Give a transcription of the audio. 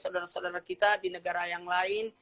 saudara saudara kita di negara yang lain